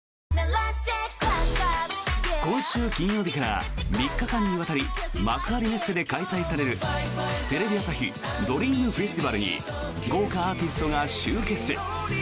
今週金曜日から３日間にわたり幕張メッセで開催されるテレビ朝日ドリームフェスティバルに豪華アーティストが集結！